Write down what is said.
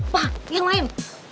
pak yang lain